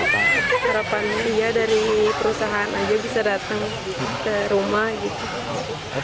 harapan dia dari perusahaan aja bisa datang ke rumah gitu